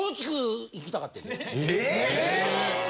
え！